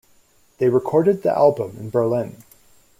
They recorded the album in Berlin.